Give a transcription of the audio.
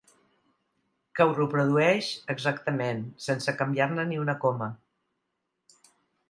Que ho reprodueix exactament, sense canviar-ne ni una coma.